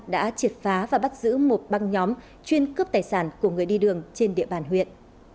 đã triệt phá và bắt giữ một băng nhóm chuyên cướp tài sản của người đi đường trên địa bàn huyện